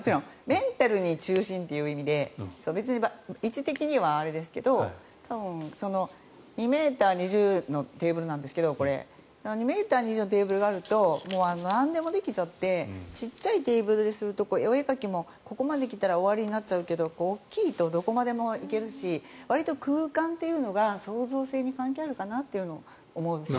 メンタルに中心という意味で別に位置的にはあれですけどこれ２ｍ２０ｃｍのテーブルなんですけど２ｍ２０ｃｍのテーブルがあるとなんでもできちゃって小さいテーブルにするとお絵描きも、ここまで来たら終わりになっちゃうけど大きいとどこまでもいけるしわりと空間というのが創造性に関係あるかなと思うし。